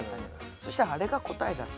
そしたらあれが答えだった。